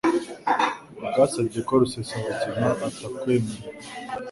Bwasabye ko Rusesabagina atakwemererwa